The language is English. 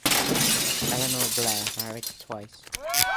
Eleanor Blair married twice.